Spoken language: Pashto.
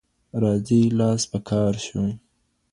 راځئ لاس په کار شو.